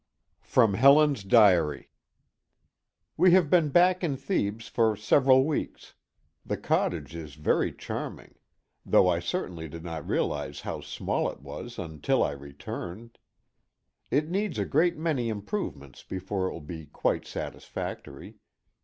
XVII. [From Helen's Diary.] We have been back in Thebes for several weeks. The cottage is very charming though I certainly did not realize how small it was until I returned. It needs a great many improvements before it will be quite satisfactory.